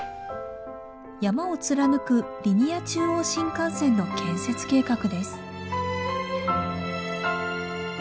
山を貫くリニア中央新幹線の建設計画です。